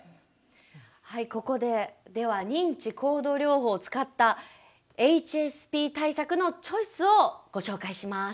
ここででは認知行動療法を使ったＨＳＰ対策のチョイスをご紹介します。